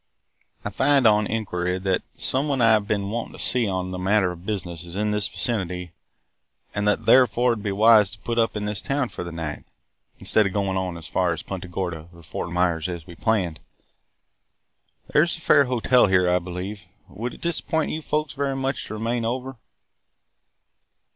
"I find on inquiry, that some one I 've been wanting to see on a matter of business is in this vicinity and that therefore it would be wise to put up in this town for the night, instead of going on as far as Punta Gorda or Fort Myers, as we planned. There 's a fair hotel here, I believe. Would it disappoint you folks very much to remain over?"